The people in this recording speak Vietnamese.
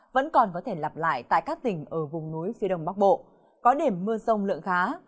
vẫn còn có thể lặp lại tại các tỉnh ở vùng núi phía đông bắc bộ có điểm mưa rông lượng khá